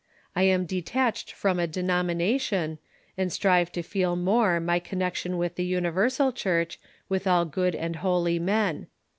I am detached from a denomination, and strive to feel more my connection with the Universal Church, with all good and holy men.